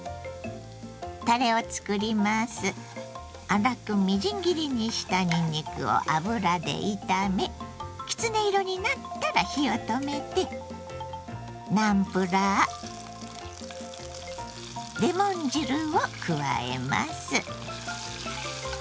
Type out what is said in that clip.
粗くみじん切りにしたにんにくを油で炒めきつね色になったら火を止めてナムプラーレモン汁を加えます。